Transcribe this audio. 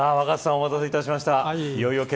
お待たせしました。